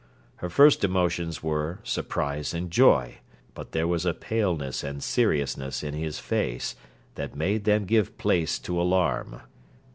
Her first emotions were surprise and joy, but there was a paleness and seriousness in his face that made them give place to alarm.